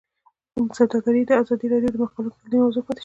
سوداګري د ازادي راډیو د مقالو کلیدي موضوع پاتې شوی.